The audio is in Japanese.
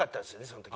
その時。